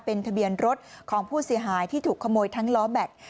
เป็นทะเบียนรถของผู้เสียหายที่ถูกขโมยทั้งล้อแบต